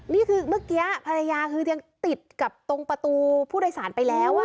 นี่คือเมื่อกี้ภรรยาคือยังติดกับตรงประตูผู้โดยสารไปแล้ว